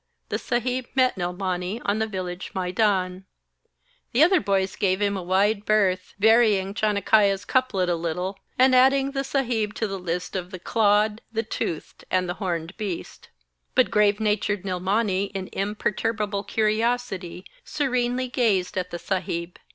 The Saheb met Nilmani on the village maidan. The other boys gave him a wide berth, varying Chanakya's couplet a little, and adding the Saheb to the list of 'the clawed, the toothed, and the horned beasts.' But grave natured Nilmani in imperturbable curiosity serenely gazed at the Saheb.